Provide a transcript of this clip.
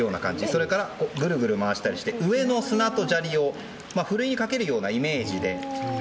それから、グルグル回したりして上の砂と砂利をふるいに掛けるようなイメージで。